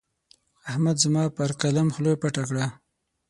احمد زما پر قلم خوله پټه کړه.